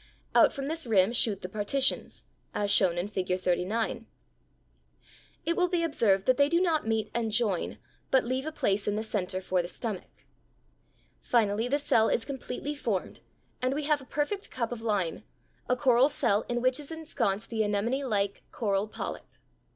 Out from this rim shoot the partitions, as shown in Figure 39. It will be observed that they do not meet and join, but leave a place in the center for the stomach. Finally, the cell is completely formed, and we have a perfect cup of lime, a coral cell in which is ensconced the anemonelike coral polyp.